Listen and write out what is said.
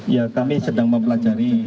ya kami sedang mempelajari